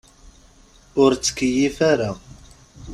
Ur ttkeyyif ara.